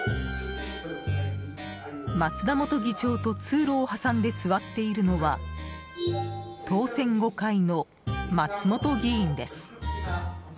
松田元議長と通路を挟んで座っているのは当選５回の松本議員です。